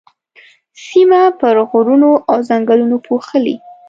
سيمه پر غرونو او ځنګلونو پوښلې.